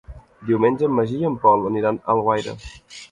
Diumenge en Magí i en Pol aniran a Alguaire.